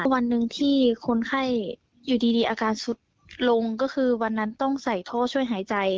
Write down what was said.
วันหนึ่งที่คนไข้อยู่ดีอาการสุดลงก็คือวันนั้นต้องใส่ท่อช่วยหายใจ